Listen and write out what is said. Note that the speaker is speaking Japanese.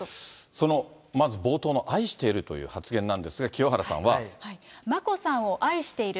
その、まず冒頭の愛しているという発言なんですが、眞子さんを愛している。